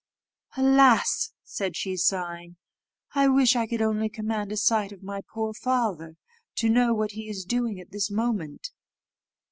"Alas!" said she, sighing; "I wish I could only command a sight of my poor father, and to know what he is doing at this moment."